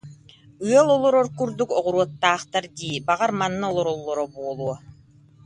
Ыал олорор курдук оҕуруоттаахтар дии, баҕар, манна олороллоро буолуо